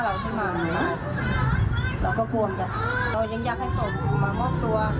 เรายังอยากให้โสธภาพมามอบตัว